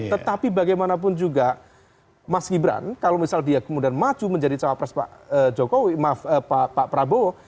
tetapi bagaimanapun juga mas gibran kalau misalnya dia kemudian maju menjadi cawapres pak prabowo